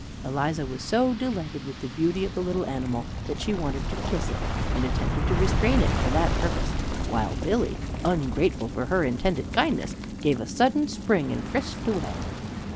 Eliza was so delighted with the beauty of the little animal that she wanted to kiss it, and attempted to restrain it for that purpose, while Billy, ungrateful for her intended kindness, gave a sudden spring and frisked away.